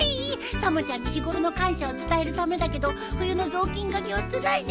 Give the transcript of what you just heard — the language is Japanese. たまちゃんに日頃の感謝を伝えるためだけど冬の雑巾がけはつらいね。